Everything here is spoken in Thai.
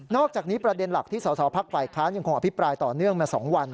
อกจากนี้ประเด็นหลักที่สอสอพักฝ่ายค้านยังคงอภิปรายต่อเนื่องมา๒วัน